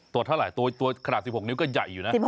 ตัวเท่าไหร่ตัวขนาด๑๖นิ้วก็ใหญ่อยู่นะ